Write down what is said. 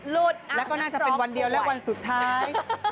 หลุดแล้วก็น่าจะเป็นวันเดียวและวันสุดท้าย